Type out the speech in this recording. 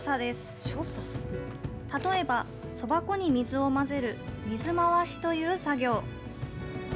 例えば、そば粉に水を混ぜる水回しという作業。